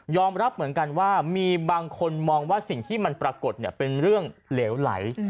รับเหมือนกันว่ามีบางคนมองว่าสิ่งที่มันปรากฏเป็นเรื่องเหลวไหล